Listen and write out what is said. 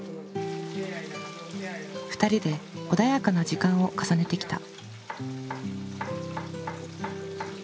２人で穏やかな時間を重ねてきた。